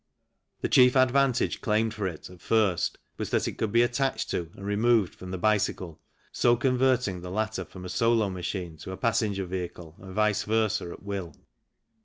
The chief advantage claimed for it, at first, was that it could be attached to and removed from the bicycle, so converting the latter from a solo machine to a pas senger vehicle and vice versa at will.